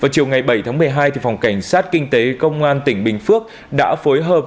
chiều bảy một mươi hai phòng cảnh sát kinh tế công an tỉnh bình phước đã phối hợp